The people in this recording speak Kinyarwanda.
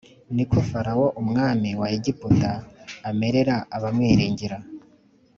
ni ko Farawo u umwami wa Egiputa amerera abamwiringira